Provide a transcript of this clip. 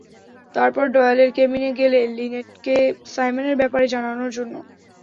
তারপর ডয়েলের কেবিনে গেলে লিনেটকে সাইমনের ব্যাপারে জানানোর জন্য।